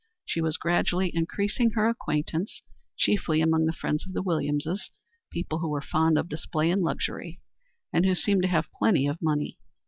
She was gradually increasing her acquaintance, chiefly among the friends of the Williamses, people who were fond of display and luxury and who seemed to have plenty of money.